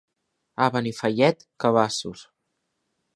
A Benifallet, cabassos.